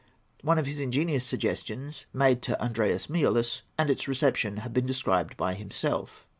One of his ingenious suggestions, made to Andreas Miaoulis, and its reception, have been described by himself.